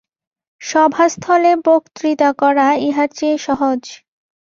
সভাস্থলে বক্তৃতা করা ইহার চেয়ে সহজ।